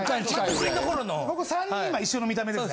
ここ３人は一緒の見た目ですね。